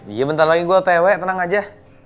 iya bentar lagi gue tewe tenang aja